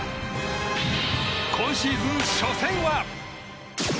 今シーズン初戦は。